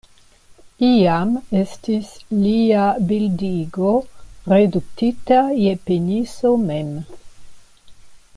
Iam estis lia bildigo reduktita je peniso mem.